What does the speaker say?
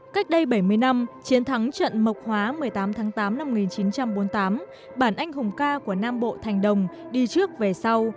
cách đây bảy mươi năm chiến thắng trận mộc hóa một mươi tám tháng tám năm một nghìn chín trăm bốn mươi tám bản anh hùng ca của nam bộ thành đồng đi trước về sau